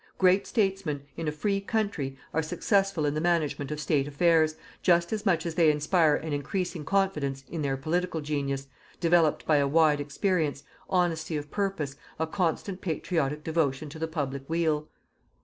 Great statesmen, in a free country, are successful in the management of State affairs, just as much as they inspire an increasing confidence in their political genius, developed by a wide experience, honesty of purpose, a constant patriotic devotion to the public weal.